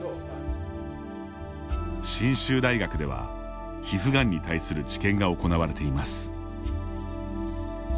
信州大学では、皮膚がんに対する治験が行われています。